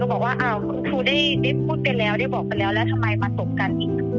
บอกว่าอ้าวคุณครูได้พูดกันแล้วได้บอกกันแล้วแล้วทำไมมาตบกันอีก